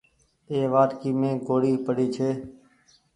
اي وآٽڪي مين ڳوڙي پري ڇي۔